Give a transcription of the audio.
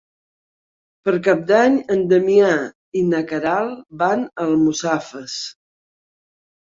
Per Cap d'Any en Damià i na Queralt van a Almussafes.